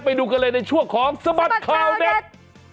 ไปดูกันเลยในช่วงของสมัดข่าวเน็ตสมัดข่าวเน็ต